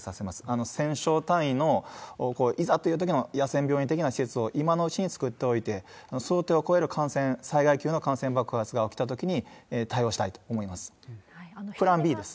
１０００床単位の、いざというときの野戦病院的な施設を今のうちに作っておいて、想定を超える感染、災害級の感染爆発が起きたときに対応したいと思います。